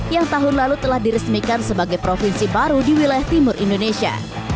yang tahun lalu telah diresmikan sebagai provinsi baru di wilayah timur indonesia